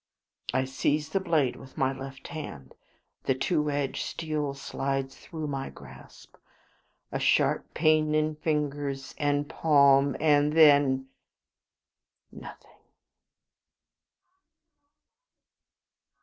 I seize the blade with my left hand; the two edged steel slides through my grasp; a sharp pain in fingers and palm; and then nothing.